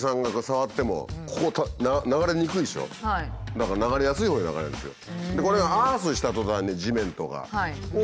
だから流れやすいほうへ流れるんですよ。